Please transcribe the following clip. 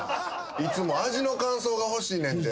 いつも味の感想が欲しいねんて。